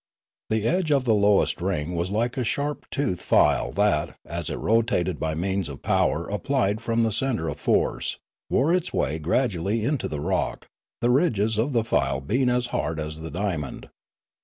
The edge of the lowest ring was like a sharp toothed file that, as it rotated by means of power applied from the centre of force, wore its way gradually into the rock, the ridges of the file being as hard as the diamond.